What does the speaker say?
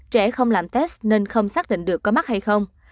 trẻ không làm test nên không xác định được có mắt hay không